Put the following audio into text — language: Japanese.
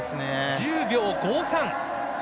１０秒５３。